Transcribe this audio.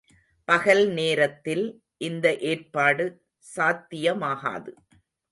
பகல் நேரத்தில் இந்த ஏற்பாடு சாத்தியமாகாது.